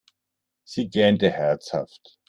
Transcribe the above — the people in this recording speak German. Sie gähnte herzhaft.